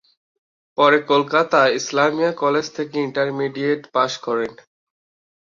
পরে কলকাতা ইসলামিয়া কলেজ থেকে intermediate pass করেন।